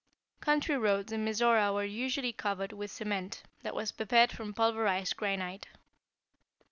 Country roads in Mizora were usually covered with a cement that was prepared from pulverized granite.